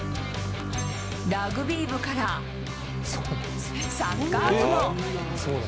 ラグビー部から、サッカー部も。